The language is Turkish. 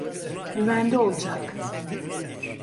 Güvende olacak.